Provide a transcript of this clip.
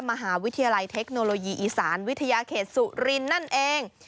มหาวิทยาลัยเทคโนโลยีอีสานวิทยาเขตสุรินทร์นั่นเอง